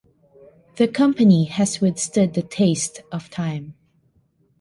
The company has withstood the taste of time.